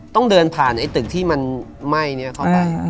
ต้องเดินผ่านไอ้ตึกที่มันไหม้นี้เข้าไป